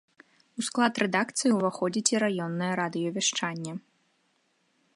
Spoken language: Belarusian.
У склад рэдакцыі ўваходзіць і раённае радыёвяшчанне.